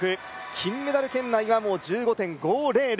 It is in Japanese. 金メダル圏内は、１５．５００。